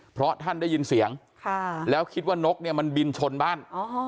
เพราะท่านได้ยินเสียงแล้วคิดว่านกเนี่ยมันบินชนบ้าน